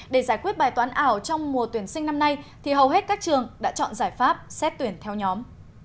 để giải quyết bài toán ảo trong mùa tuyển sinh năm nay thì hầu hết các trường đã chọn giải pháp xét tuyển theo nhóm